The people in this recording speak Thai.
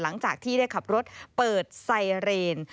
หลังจากที่ได้ขับรถเปิดไซเรน